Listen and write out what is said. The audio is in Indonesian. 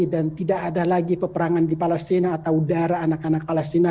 dan tidak ada lagi peperangan di palestina atau udara anak anak palestina